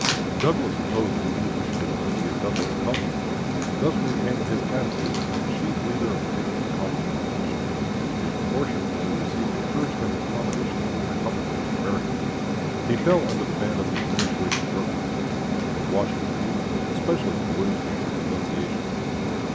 Douglas, Senate Speech, March 22, 1858. App. "Globe," pp. 199, 200. Douglas opposed the English bill as he had done the Lecompton bill, thus maintaining his attitude as the chief leader of the anti Lecompton opposition. In proportion as he received encouragement and commendation from Republican and American newspapers, he fell under the ban of the Administration journals. The "Washington Union" especially pursued him with denunciation.